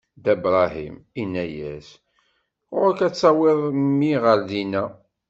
Dda Bṛahim inna-as: Ɣur-k ad tawiḍ mmi ɣer dinna!